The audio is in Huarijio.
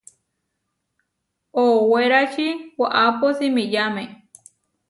Oʼowérači waʼápo simiyáme.